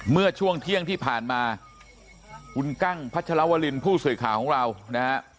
เมื่อช่วงเที่ยงที่ผ่านมาคุณกั้งพัชรวรินผู้สื่อข่าวของเรานะฮะ